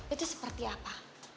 itu seperti apa